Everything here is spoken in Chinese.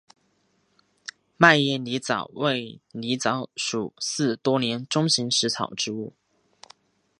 迈耶狸藻为狸藻属似多年中型食虫植物。